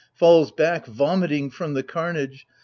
— falls back, vomiting, from the carnage.